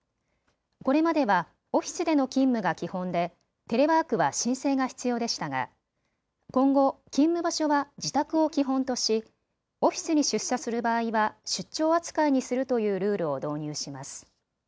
これまではオフィスでの勤務が基本でテレワークは申請が必要でしたが今後、勤務場所は自宅を基本としオフィスに出社する場合は出張扱いにするというルールを導入します。